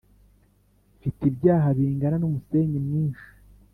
Mfite ibyaha bingana n’umusenyi mwinshi